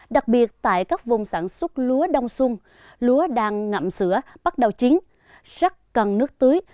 đặc biệt tại các vùng sản xuất lúa đông xuân lúa đang ngậm sữa bắt đầu chín rất cần nước tưới